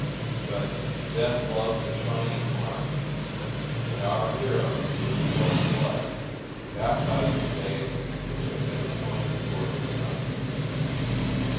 But "death loves a shining mark," and our hero, with his own blood, baptized the day which had been appointed for his nuptials.